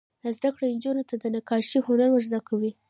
زده کړه نجونو ته د نقاشۍ هنر ور زده کوي.